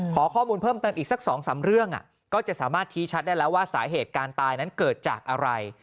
ขอข้อมูลเพิ่มเติมอีกสัก๒๓เรื่องก็จะสามารถชี้ชัดได้แล้วว่าสาเหตุการตายนั้นเกิดจากอะไร